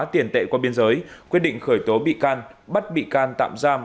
tiền tệ qua biên giới quyết định khởi tố bị can bắt bị can tạm giam